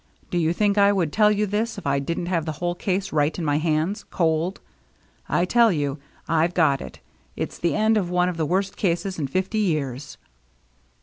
Do you think I would tell you this if I didn't have the whole case right in my hands — cold ? I tell you, I've got it. It's the end of one of the worst cases in fifty years."